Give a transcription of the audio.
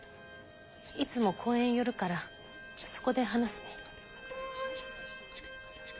いつも公園寄るからそこで話すね。